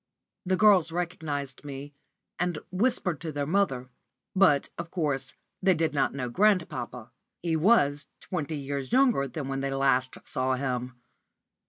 The girls recognised me, and whispered to their mother; but, of course, they did not know grandpapa. He was twenty years younger than when they last saw him.